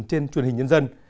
trên truyền hình nhân dân